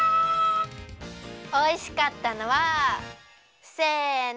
おいしかったのはせの！